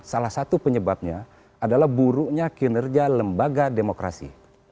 salah satu penyebabnya adalah buruknya kinerja lembaga demokrasi